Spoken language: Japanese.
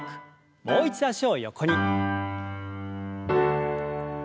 もう一度脚を横に。